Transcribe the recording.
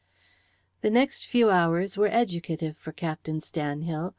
The next few hours were educative for Captain Stanhill.